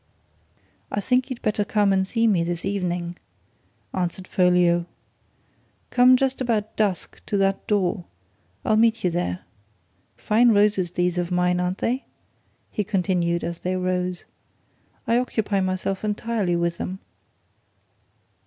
"I think you'd better come and see me this evening," answered Folliot. "Come just about dusk to that door I'll meet you there. Fine roses these of mine, aren't they?" he continued, as they rose. "I occupy myself entirely with 'em."